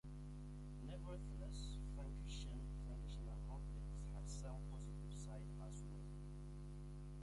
Nevertheless, factional conflicts had some positive side as well.